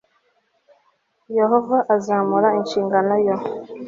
Yehova azamuha inshingano yo